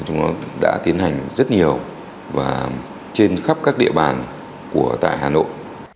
nó đã tiến hành rất nhiều và trên khắp các địa bàn của tại hà nội